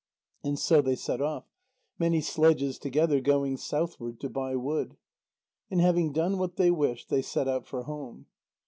And so they set off, many sledges together, going southward to buy wood. And having done what they wished, they set out for home.